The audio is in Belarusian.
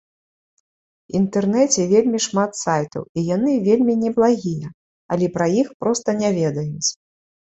Інтэрнеце вельмі шмат сайтаў і яны вельмі неблагія, але пра іх проста не ведаюць.